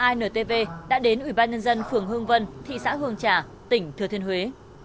intv đã đến ủy ban nhân dân phường hương vân thị xã hương trà tỉnh thừa thiên huế